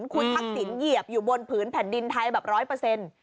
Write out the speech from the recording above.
คุณทักษิณเหยียบอยู่บนผืนแผ่นดินไทยแบบร้อยเปอร์เซ็นต์